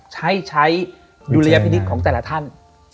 ใช้ดุลยพินิษฐ์ของแต่ละท่าน